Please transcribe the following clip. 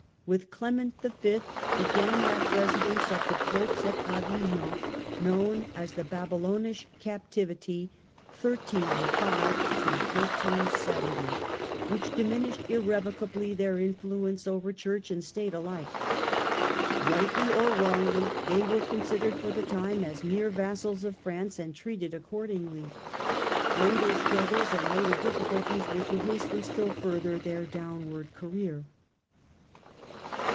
With ti'vityV'^^^ Clement V. began that residence of the Popes at Avignon 1305 1370 known as the " Babylonish Captivity," which diminished irrevocably their influence over Church and State alike. Eightly or wrongly they were considered for the time as mere vassals of France and treated accordingly. Later struggles and later difficulties were to hasten still further their downward career.